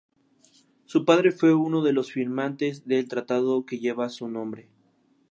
Su padre fue uno de los firmantes del tratado que lleva su nombre.